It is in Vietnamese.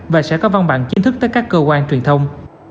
và sẽ có văn bản chính thức tới các cơ quan truyền thông